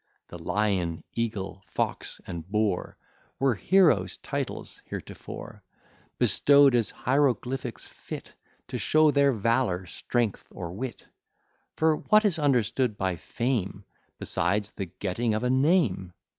The Lion, Eagle, Fox, and Boar, Were heroes' titles heretofore, Bestow'd as hi'roglyphics fit To show their valour, strength, or wit: For what is understood by fame, Besides the getting of a _name?